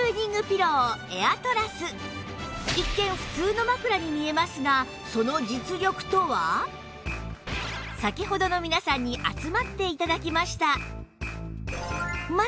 一見普通の枕に見えますが先ほどの皆さんに集まって頂きました